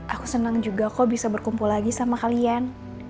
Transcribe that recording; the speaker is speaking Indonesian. aku senang juga kok bisa berkumpul lagi sama kalian